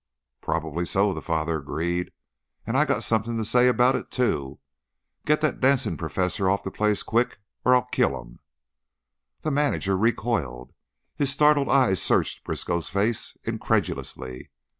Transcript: "Prob'ly so," the father agreed. "An' I got something to say about it, too. Get that dancin' perfessor off the place quick or I'll kill him." The manager recoiled; his startled eyes searched Briskow's face incredulously.